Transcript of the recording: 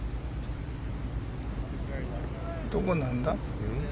どこなんだ？